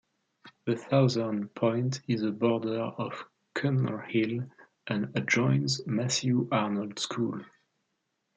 The southern point is a border of Cumnor Hill and adjoins Matthew Arnold School.